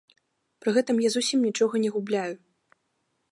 Пры гэтым я зусім нічога не губляю.